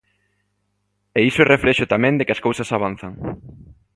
E iso é reflexo tamén de que as cousas avanzan.